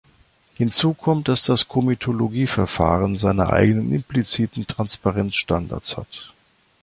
Hinzu kommt, dass das Komitologieverfahren seine eigenen impliziten Transparenzstandards hat.